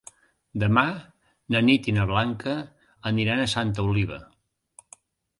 Demà na Nit i na Blanca aniran a Santa Oliva.